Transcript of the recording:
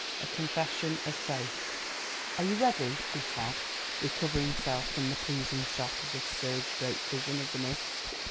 A CONFESSION OF FAITH "Are you ready?" he said, recovering himself from the pleasing shock of this serge draped vision of the mist.